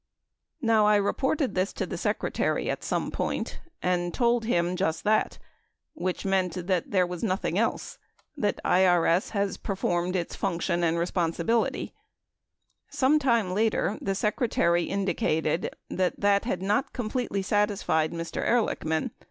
Now, I reported this to the Secretary at some point and told him just that, which meant that there was nothing else; that IRS has performed its function and responsibility . Some time later, the Secretary indicated that that had not completely satisfied Mr. Ehrlichman.